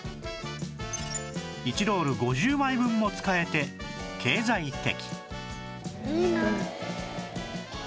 １ロール５０枚分も使えて経済的